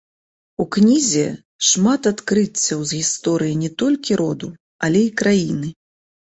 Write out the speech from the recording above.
У кнізе шмат адкрыццяў з гісторыі не толькі роду, але і краіны.